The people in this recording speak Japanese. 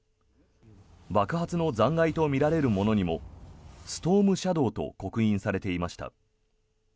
爆発の残骸とみられるものにもストームシャドーと刻印されていました。